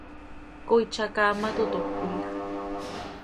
Cói tzacaamat oo, toc cömiij.